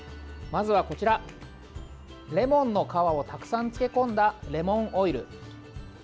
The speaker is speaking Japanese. まずはこちら、レモンの皮をたくさん漬け込んだレモンオイル。